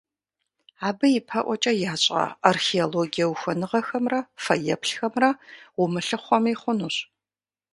Абы ипэӀуэкӀэ ящӀа археологие ухуэныгъэхэмрэ фэеплъхэмрэ умылъыхъуэми хъунущ.